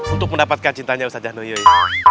untuk mendapatkan cintanya ustadz jano yoi